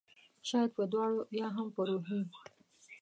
شاید په دواړو ؟ یا هم په روحي